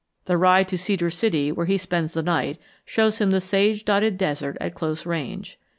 The ride to Cedar City, where he spends the night, shows him the sage dotted desert at close range.